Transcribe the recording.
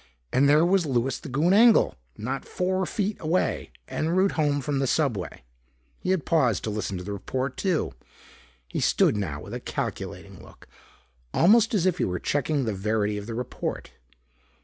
And there was Louis the Goon Engel, not four feet away. En route home from the subway, he had paused to listen to the report too. He stood now with a calculating look, almost as if he were checking the verity of the report.